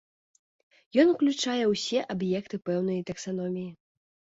Ён уключае ўсе аб'екты пэўнай таксаноміі.